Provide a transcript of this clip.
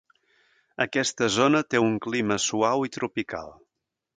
Aquesta zona té un clima suau i tropical.